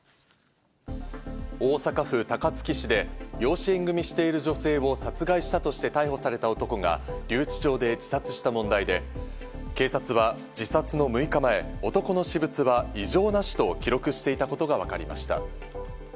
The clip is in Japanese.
大阪府高槻市で養子縁組している女性を殺害したとして逮捕された男が留置場で自殺した問題で、警察は自殺の６日前、男の私物は異常なしと記録していたことがわかりました。